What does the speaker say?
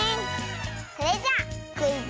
それじゃクイズ